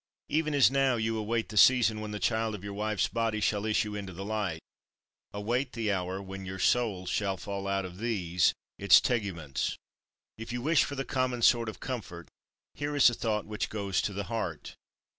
Even as now you await the season when the child of your wife's body shall issue into the light, await the hour when your soul shall fall out of these its teguments. If you wish for the common sort of comfort, here is a thought which goes to the heart.